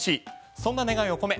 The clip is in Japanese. そんな願いを込め